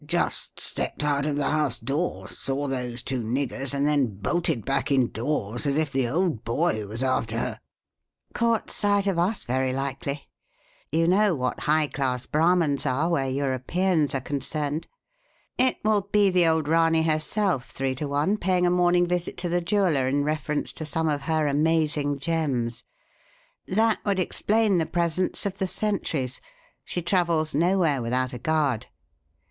Just stepped out of the house door, saw those two niggers, and then bolted back indoors as if the Old Boy was after her." "Caught sight of us, very likely. You know what high class Brahmans are where Europeans are concerned. It will be the old Ranee herself, three to one, paying a morning visit to the jeweller in reference to some of her amazing gems. That would explain the presence of the sentries. She travels nowhere without a guard."